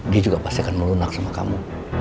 dia juga pasti akan melunak sama kamu